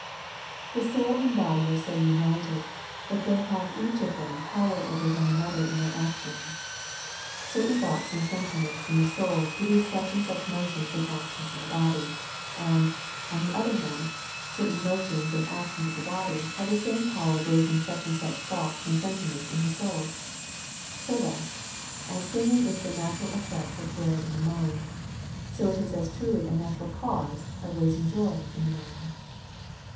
The soul and body are so united that they have each of them power over one another in their actions. Certain thoughts and sentiments in the soul produce such and such motions or actions in the body ; and. 19^ A SERIOUS CALL TO A on the other hand, certain motions and actions of the body have the same power of raising such and such thoughts and sentiments in the soul. So that as sing ing is the natural effect of joy in the mind, so it is as truly a natural cause of raising joy in the mind.